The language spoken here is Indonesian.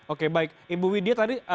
oke baik ibu widya tadi